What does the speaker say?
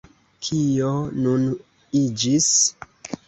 Kio nun iĝis?